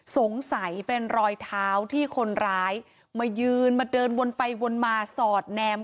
สงสัยเป็นรอยเท้าที่คนร้ายมายืนมาเดินวนไปวนมาสอดแนม